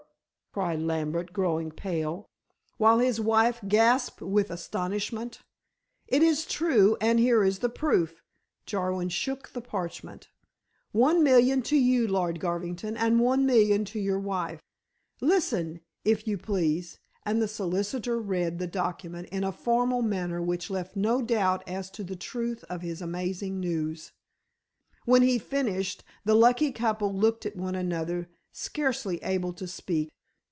cried Lambert growing pale, while his wife gasped with astonishment. "It is true, and here is the proof," Jarwin shook the parchment, "one million to you, Lord Garvington, and one million to your wife. Listen, if you please," and the solicitor read the document in a formal manner which left no doubt as to the truth of his amazing news. When he finished the lucky couple looked at one another scarcely able to speak.